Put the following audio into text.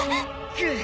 くっ。